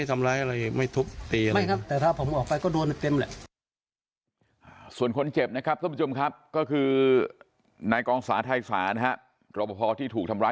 ทำไมปลอดภัยผมก็ต้องวิ่งเข้าป้อมอีก